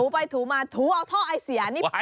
ไปถูมาถูเอาท่อไอเสียนี่